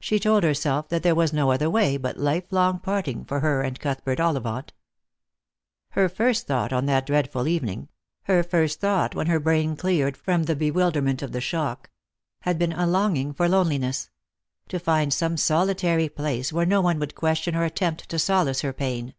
She told herself that there was no other way but life long part ing for her and Cuthbert Ollivant. Her first thought on that dreadful evening — her first thought when her brain cleared from the bewilderment of the shock — had been a longing for loneliness ; to find some solitary place, where no one would question or attempt to solace her pain.